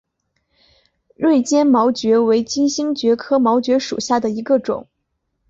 锐尖毛蕨为金星蕨科毛蕨属下的一个种。